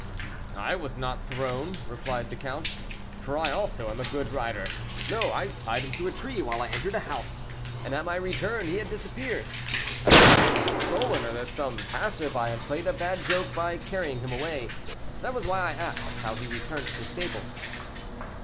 "I was not thrown," replied the count, "for I also am a good rider; no, I tied him to a tree while I entered a house, and at my return he had disappeared. I thought he had been stolen, or that some passer by had played a bad joke by carrying him away; that was why I asked how he returned to the stable."